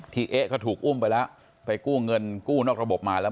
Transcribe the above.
เอ๊ะก็ถูกอุ้มไปแล้วไปกู้เงินกู้นอกระบบมาแล้ว